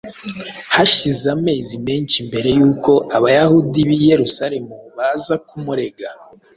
hashize amezi menshi mbere yuko Abayahudi b’i Yerusalemu baza kumurega.